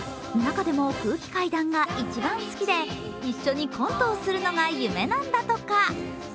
中でも空気階段が一番好きで、一緒にコントをするのが夢なんだとか。